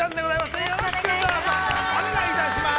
よろしくお願いします。